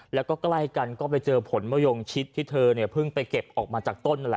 แล้วก็ใกล้กันก็ไปเจอผลมะยงชิดที่เธอเนี่ยเพิ่งไปเก็บออกมาจากต้นนั่นแหละ